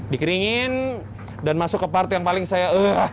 dikeringin dan masuk ke part yang paling saya